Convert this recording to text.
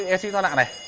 exit thoát nạn này